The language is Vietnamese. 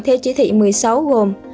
theo chỉ thị một mươi sáu gồm